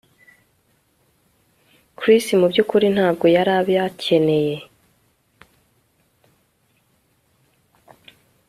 Chris mubyukuri ntabwo yari abakeneye